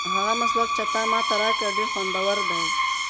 هغه مسواک چې تا ماته راکړ ډېر خوندور دی.